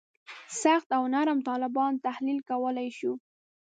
سخت او نرم طالبان تحلیل کولای شو.